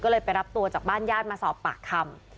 ก็เลยไปรับตัวจากบ้านญาติมาสอบปากคำ